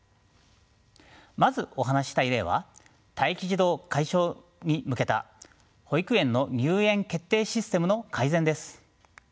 まずお話ししたい例は待機児童解消に向けた保育園の入園決定システムの改善です。